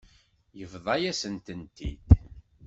Yebḍa-yasent-tent-id.